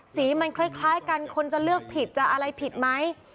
สีมันคล้ายกันคนจะเลือกผิดจะอะไรผิดไหม